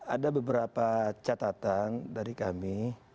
ada beberapa catatan dari kami